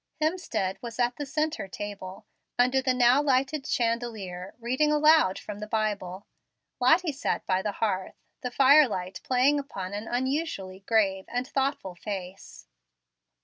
Hemstead was at the centre table, under the now lighted chandelier, reading aloud from the Bible. Lottie sat by the hearth, the firelight playing upon an unusually grave and thoughtful face.